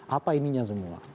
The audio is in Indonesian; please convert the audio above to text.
apa itu semua